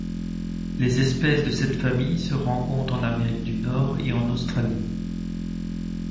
Les espèces de cette famille se rencontrent en Amérique du Nord et en Australie.